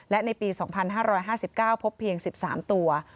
และในปี๒๕๕๙พบเพียง๑๓ตัว